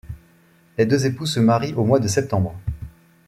Les deux époux se marient au mois de septembre.